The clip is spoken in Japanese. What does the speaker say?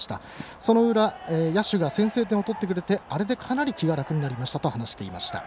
その裏、野手が先制点を取ってくれてあれでかなり気が楽になりましたと話していました。